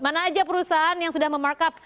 mana aja perusahaan yang sudah memarkup